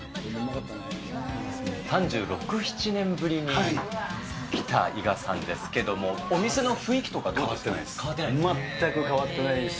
３６、７年ぶりに来た、伊賀さんですけれども、お店の雰囲気とかどうで変わってないです。